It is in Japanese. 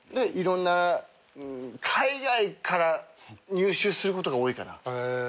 いろんな海外から入手することが多いかな。